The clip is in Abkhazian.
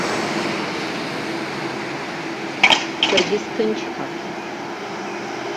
Саргьы сҭынчхап.